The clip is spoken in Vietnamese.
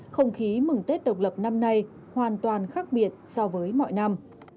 không khí mừng tết độc lập năm nay hoàn toàn khác biệt so với mọi năm